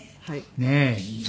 ねえ！